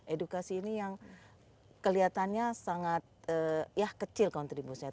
edukasi ini yang kelihatannya sangat ya kecil kontribusinya